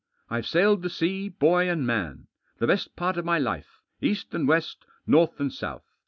I've sailed the sea, boy and man, the best part of my life ; east and west, north and south.